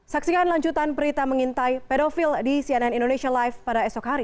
saksikan lanjutan berita mengintai pedofil di cnn indonesia live pada esok hari